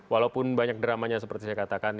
walaupun banyak dramanya seperti saya katakan